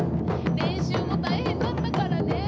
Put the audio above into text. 練習も大変だったからね。